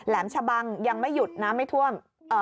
ชะบังยังไม่หยุดน้ำไม่ท่วม